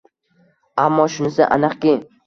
Ammo shunisi aniqki